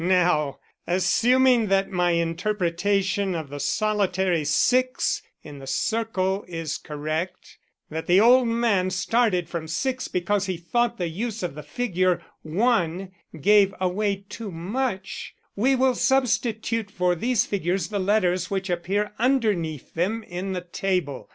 Now, assuming that my interpretation of the solitary six in the circle is correct that the old man started from six because he thought the use of the figure one gave away too much we will substitute for these figures the letters which appear underneath them in the table.